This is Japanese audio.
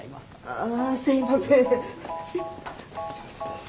あすいません。